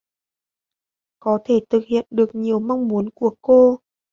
Có thể thực hiện được nhiều mong muốn của cô